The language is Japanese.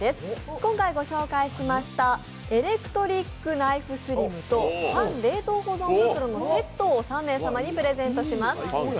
今回ご紹介しましたエレクトリックナイフＳｌｉｍとパン冷凍保存袋のセットを３名様にプレゼントします。